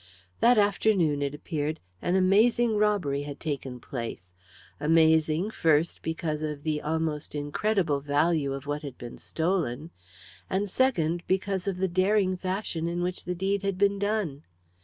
That afternoon, it appeared, an amazing robbery had taken place amazing, first, because of the almost incredible value of what had been stolen; and, second, because of the daring fashion in which the deed had been done.